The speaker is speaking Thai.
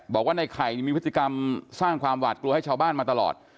บอกว่าในไข่มีพฤติกรรมสร้างความหวาดกลัวให้ชาวบ้านมาตลอด